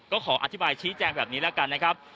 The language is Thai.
ก็ขออธิบายชี้แจงแบบนี้แล้วกันนะครับ